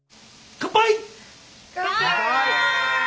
乾杯！